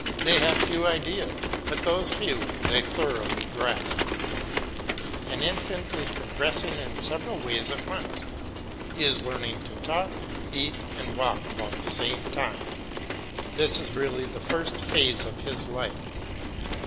They have few ideas, but those few are thoroughly grasped. The infant is progressing in several ways at once; he is learning to talk, eat, and walk about the same time. This is really the first phase of his life.